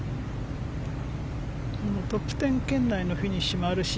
トップ１０圏内のフィニッシュもあるし